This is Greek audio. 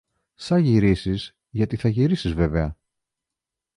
Σα γυρίσεις, γιατί θα γυρίσεις βέβαια.